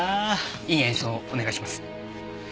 いい演奏をお願いします。